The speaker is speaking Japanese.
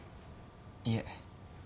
いえ。